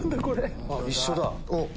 一緒だ。